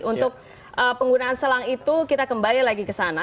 untuk penggunaan selang itu kita kembali lagi ke sana